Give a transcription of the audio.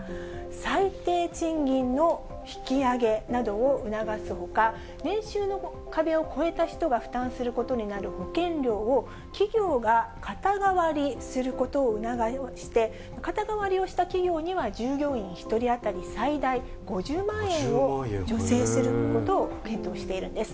最低賃金の引き上げなどを促すほか、年収の壁を超えた人が負担することになる保険料を、企業が肩代わりすることを促して、肩代わりをした企業には従業員１人当たり最大５０万円を助成することを検討しているんです。